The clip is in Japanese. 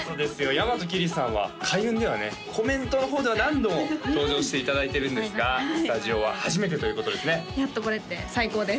大和きりさんは開運ではねコメントの方では何度も登場していただいてるんですがスタジオは初めてということですねやっと来れて最高です